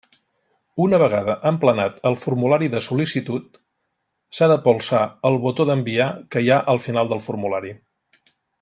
Una vegada emplenat el formulari de sol·licitud, s'ha de polsar el botó d'enviar que hi ha al final del formulari.